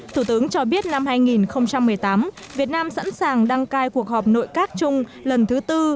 thủ tướng cho biết năm hai nghìn một mươi tám việt nam sẵn sàng đăng cai cuộc họp nội các chung lần thứ tư